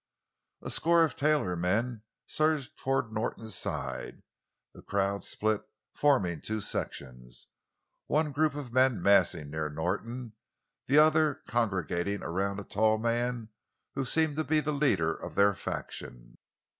A score of Taylor men surged forward to Norton's side; the crowd split, forming two sections—one group of men massing near Norton, the other congregating around a tall man who seemed to be the leader of their faction.